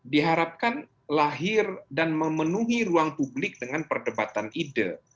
diharapkan lahir dan memenuhi ruang publik dengan perdebatan ide